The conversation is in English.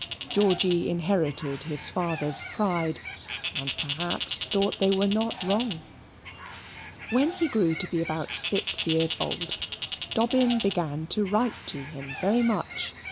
Georgy inherited his father's pride, and perhaps thought they were not wrong. When he grew to be about six years old, Dobbin began to write to him very much.